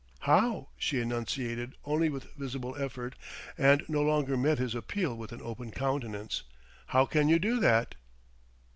"How" she enunciated only with visible effort and no longer met his appeal with an open countenance "how can you do that?"